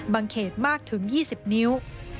เขตมากถึง๒๐นิ้ว